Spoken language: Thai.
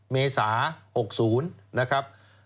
เมษา๖๐นะครับ